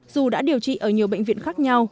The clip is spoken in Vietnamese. dù đã điều trị ở nhiều bệnh viện khác nhau